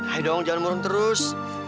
ayo dong jangan murung terus